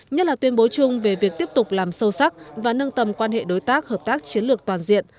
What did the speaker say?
nhất là tuyên bố chung về việc tiếp tục làm sâu sắc và nâng tầm quan hệ đối tác hợp tác chiến lược toàn diện